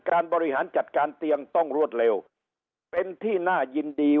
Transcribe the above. บริหารจัดการเตียงต้องรวดเร็วเป็นที่น่ายินดี